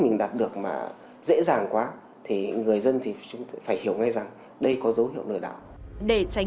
mình đạt được mà dễ dàng quá thì người dân thì chúng phải hiểu ngay rằng đây có dấu hiệu lừa đảo để tránh